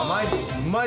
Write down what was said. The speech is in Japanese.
うまい！